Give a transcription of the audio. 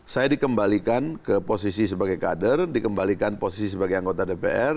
saya dikembalikan ke posisi sebagai kader dikembalikan posisi sebagai anggota dpr